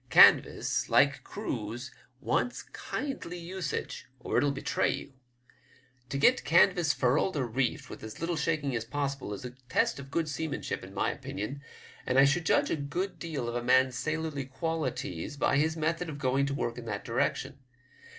Canvas, like crews, wants kindly usage, or it'll betray you. To get canvas furled or reefed with as little shaking as possible is a test of good seamanship in my opinion, and I should judge a good deal of a man's sailorly qualities by his method of going to work in that direction.